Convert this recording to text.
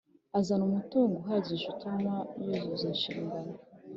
azana umutungo uhagije utuma yuzuza inshingano